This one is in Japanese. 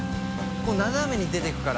こう斜めに出て行くから。